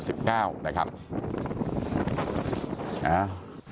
ความปลอดภัยของนายอภิรักษ์และครอบครัวด้วยซ้ำ